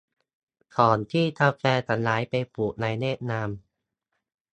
ก่อนที่กาแฟจะย้ายไปปลูกในเวียดนาม